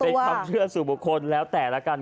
เป็นความเชื่อสู่บุคคลแล้วแต่ละกัน